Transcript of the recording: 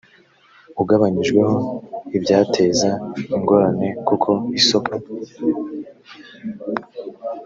ugabanyijweho ibyateza ingorane k uko isoko